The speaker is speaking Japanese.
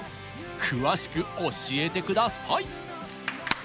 詳しく教えてください！